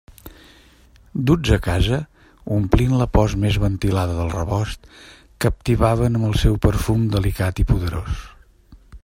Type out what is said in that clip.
Duts a casa, omplint la post més ventilada del rebost, captivaven amb el seu perfum delicat i poderós.